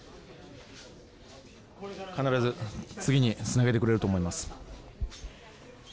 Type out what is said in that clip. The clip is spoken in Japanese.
必ず次につなげてくれると思います。